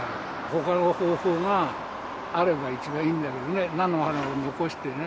ほかの方法があれば一番いいんだけどね、菜の花を残してね。